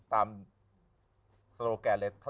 ตามสโลแกรนเลย